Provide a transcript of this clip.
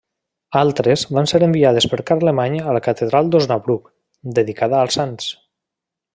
Altres van ser enviades per Carlemany a la catedral d'Osnabrück, dedicada als sants.